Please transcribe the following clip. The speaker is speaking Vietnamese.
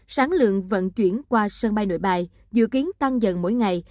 sáng lượng vận chuyển qua sân bay nội bài dự kiến tăng dần mỗi ngày